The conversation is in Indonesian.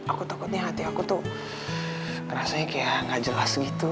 aku takutnya hati aku tuh ngerasanya kayak gak jelas gitu